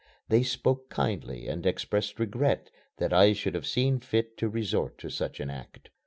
They spoke kindly and expressed regret that I should have seen fit to resort to such an act.